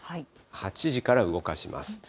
８時から動かします。